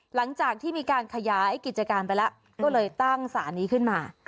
หลังจากที่มีการขยายกิจการไปแล้วก็เลยตั้งสารนี้ขึ้นมา